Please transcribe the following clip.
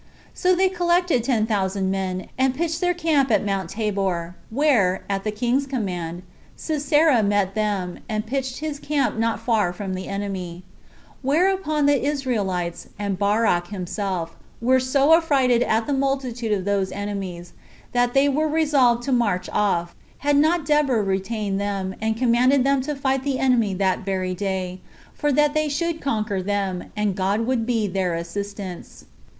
So they collected ten thousand men, and pitched their camp at Mount Tabor, where, at the king's command, Sisera met them, and pitched his camp not far from the enemy; whereupon the Israelites, and Barak himself, were so affrighted at the multitude of those enemies, that they were resolved to march off, had not Deborah retained them, and commanded them to fight the enemy that very day, for that they should conquer them, and God would be their assistance.